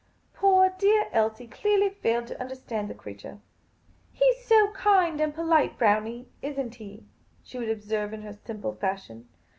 Poor dear Elsie clearly failed to understand the crea ture. " He 's so kind and polite, Brownie, is n't he ?" she would observe in her simple fashion.